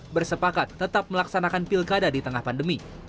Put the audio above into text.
bersepakat tetap melaksanakan pilkada di tengah pandemi